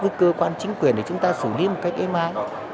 với cơ quan chính quyền để chúng ta xử lý một cách êm ái